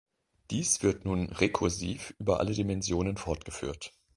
Dies wird nun rekursiv über alle Dimensionen fortgeführt.